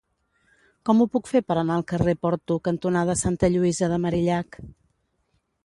Com ho puc fer per anar al carrer Porto cantonada Santa Lluïsa de Marillac?